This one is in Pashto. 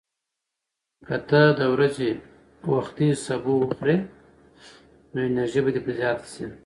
که ته د ورځې وختي سبو وخورې، نو انرژي به دې زیاته شي.